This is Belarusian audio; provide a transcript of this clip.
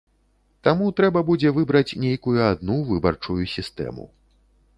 Таму, трэба будзе выбраць нейкую адну выбарчую сістэму.